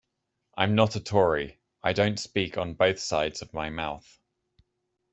I'm not a Tory, I don't speak on both sides of my mouth.